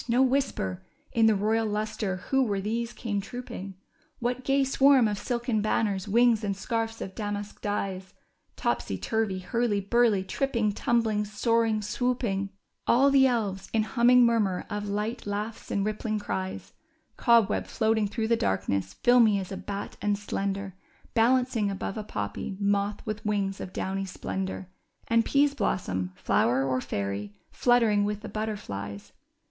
No whisper ! In the royal lustre Avho were these came trooping ? What gay swarm of silken banners, wings, and scarfs of damask dyes ? To23sy turvy, hurly burly, tripping, tumbling, soaring, swooping. 144 THE CHILDREN'S WONDER BOOK. "OBERON, THE KING OF FAIRIES." All the elves in liuniming murmur of light laughs and rippling cries ! Cobweb, floating through the darkness, filmy as a bat and slender ; Balancing above a poppy. Moth with wings of downy splendor ; And Peasblossom, flower or fairy, fluttering with the but terflies